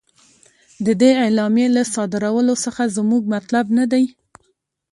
د دې اعلامیې له صادرولو څخه زموږ مطلب نه دی.